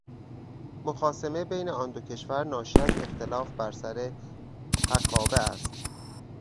مخاصمه بین آن دو کشور ناشی از اختلاف بر سر حقابه است